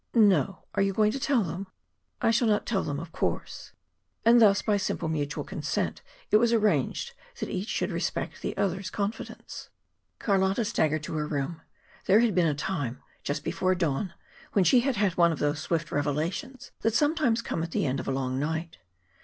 "No. Are you going to tell them?" "I shall not tell them, of course." And thus, by simple mutual consent, it was arranged that each should respect the other's confidence. Carlotta staggered to her room. There had been a time, just before dawn, when she had had one of those swift revelations that sometimes come at the end of a long night.